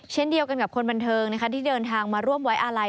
เช่นเดียวกันกับคนบันเทิงนะคะที่เดินทางมาร่วมไว้อาลัย